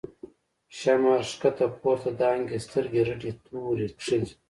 ” شمر” ښکته پورته دانگی، سترگی رډی توره کښلی